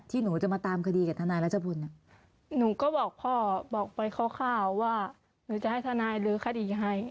หนูจะมาตามคดีกับทนายรัชพลหนูก็บอกพ่อบอกไปคร่าวว่าหนูจะให้ทนายลื้อคดีให้